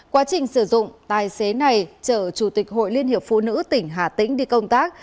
quá trình sử dụng tài xế này chở chủ tịch hội liên hiệp phụ nữ tỉnh hà tĩnh đi công tác